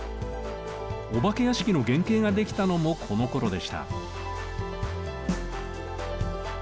お化け屋敷の原型ができたのもこのころでした。